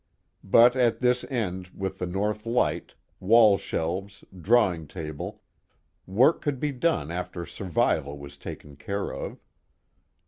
But at this end, with the north light, wall shelves, drawing table, work could be done after survival was taken care of.